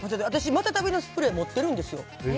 私、マタタビのスプレー持ってるんですよ。